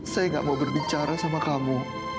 saya gak mau berbicara sama kamu